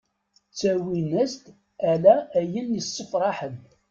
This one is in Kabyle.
Ttawin-as-d ala ayen yessefraḥen.